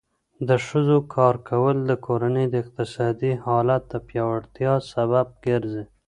د ښځو کار کول د کورنۍ د اقتصادي حالت د پیاوړتیا سبب ګرځي.